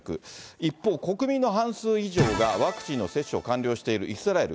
一方、国民の半数以上がワクチンの接種を完了しているイスラエル。